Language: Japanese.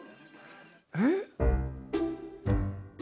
えっ。